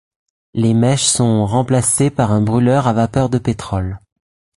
Les mèches sont remplacées par un brûleur à vapeur de pétrole.